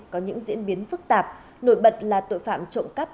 có những diễn biến phức tạp nổi bật là tội phạm trộm cắp